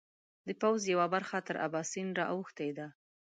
د پوځ یوه برخه تر اباسین را اوښتې ده.